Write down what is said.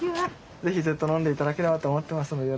ぜひずっと飲んでいただければと思ってますので。